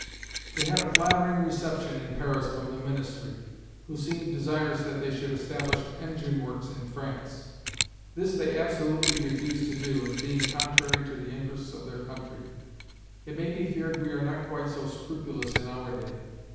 They had a flattering reception in Paris from the ministry, who seemed desirous that they should establish engine works in France. This they absolutely refused to do, as being contrary to the interests of their country. It may be feared we are not quite so scrupulous in our day.